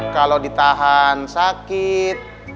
kalau ditahan sakit